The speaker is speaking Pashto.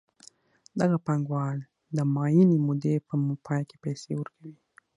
دغه پانګوال د معینې مودې په پای کې پیسې ورکوي